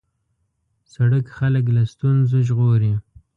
سړک خلک له ستونزو ژغوري.